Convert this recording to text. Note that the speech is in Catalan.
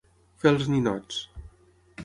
Fer els ninots.